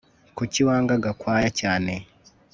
kuki Wanga Gakwaya cyane